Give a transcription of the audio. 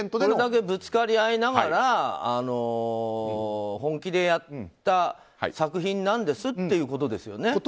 これだけぶつかり合いながら本気でやった作品なんですってことですよね。